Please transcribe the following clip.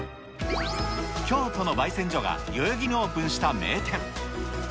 京都のばい煎所が代々木にオープンした名店。